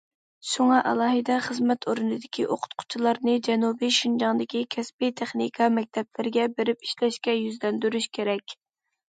شۇڭا ئالاھىدە خىزمەت ئورنىدىكى ئوقۇتقۇچىلارنى جەنۇبىي شىنجاڭدىكى كەسپىي تېخنىكا مەكتەپلىرىگە بېرىپ ئىشلەشكە يۈزلەندۈرۈش كېرەك.